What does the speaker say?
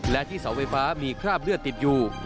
และที่เสาไฟฟ้ามีคราบเลือดติดอยู่